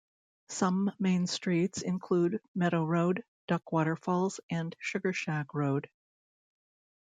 Some main streets include "Meadow Road", "Duckwater Falls", and "Sugarshack Road".